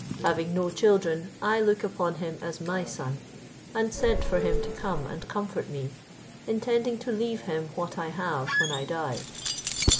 Having no children, I look upon him as my son, and sent for him to come and comfort me, intending to leave him what I have when I die."